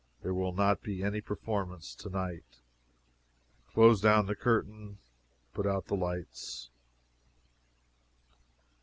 there will not be any performance to night." Close down the curtain. Put out the lights.